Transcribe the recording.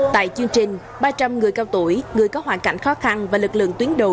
tại chương trình ba trăm linh người cao tuổi người có hoàn cảnh khó khăn và lực lượng tuyến đầu